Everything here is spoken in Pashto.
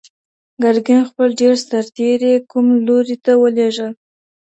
ګرګين خپل ډېر سرتېري کوم لوري ته ولېږل؟